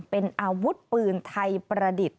เป็นอาวุธปืนไทยประดิษฐ์